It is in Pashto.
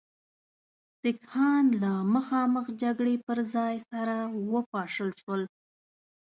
سیکهان له مخامخ جګړې پر ځای سره وپاشل شول.